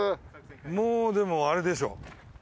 もうでもあれでしょ？